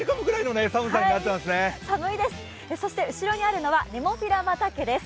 そして後ろにあるのはネモフィラ畑です。